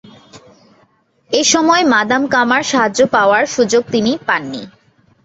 এসময় মাদাম কামার সাহায্য পাওয়ার সুযোগ তিমি পাননি।